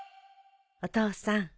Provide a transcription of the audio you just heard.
お父さん。